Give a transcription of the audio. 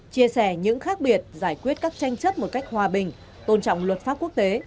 chia sẻ những khác biệt giải quyết các tranh chấp một cách hòa bình tôn trọng luật pháp quốc tế